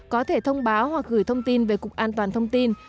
có thể thông báo hoặc gửi thông tin về cục an toàn thông tin